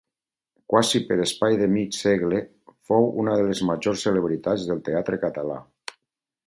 Quasi per espai de mig segle fou una de les majors celebritats del Teatre Català.